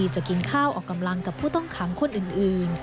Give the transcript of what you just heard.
จะกินข้าวออกกำลังกับผู้ต้องขังคนอื่น